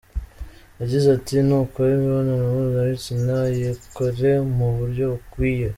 Yagize ati "Nukora imibonano mpuzabitsina, yikore mu buryo bukwiye.